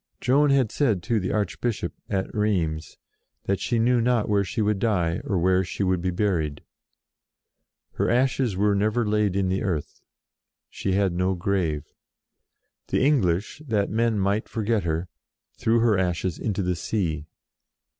Joan had said to the Archbishop, at Rheims, that she knew not where she would die, or where she would be buried. Her ashes were never laid in the earth; she had no grave. The English, that men might forget her, threw her ashes into the sea.